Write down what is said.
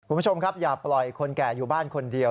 คุณผู้ชมครับอย่าปล่อยคนแก่อยู่บ้านคนเดียว